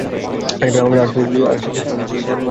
আর সে দেখতে অনেক সেক্সি, তাই না?